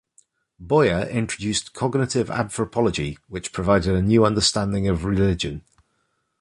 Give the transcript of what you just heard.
Boyer introduced cognitive anthropology, which provided a new understanding of religion.